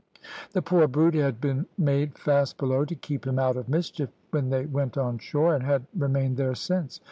"The poor brute had been made fast below, to keep him out of mischief, when they went on shore, and had remained there since.